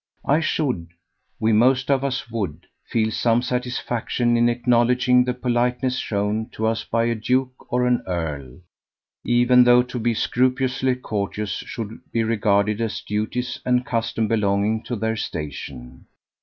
"I should we most of us would feel some satisfaction in acknowledging the politeness shown to us by a duke or an earl, even though to be scrupulously courteous should be regarded as duties and customs belonging to their station.